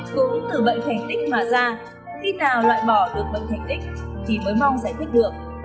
cũng từ bệnh thanh tích mà ra khi nào loại bỏ được bệnh thanh tích thì mới mong giải thích được